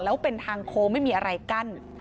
แล้วเป็นทางโค้งไม่มีอะไรกั้น